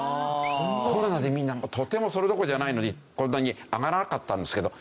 コロナでみんなとてもそれどころじゃないのにこんなに上がらなかったんですけど。